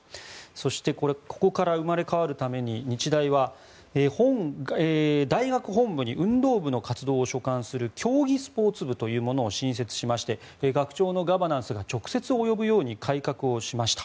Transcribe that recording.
そしてここから生まれ変わるために日大は大学本部に運動部の活動を所管する競技スポーツ部というものを新設しまして学長のガバナンスが直接及ぶように改革をしました。